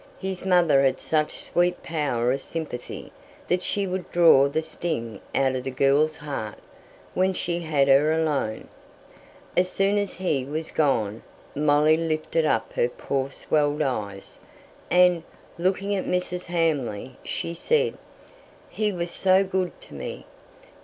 His mother had such sweet power of sympathy, that she would draw the sting out of the girl's heart when she had her alone. As soon as he was gone, Molly lifted up her poor swelled eyes, and, looking at Mrs. Hamley, she said, "He was so good to me.